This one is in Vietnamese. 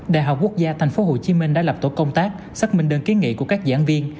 đại học quốc gia tp hcm đã lập tổ công tác xác minh đơn kiến nghị của các giảng viên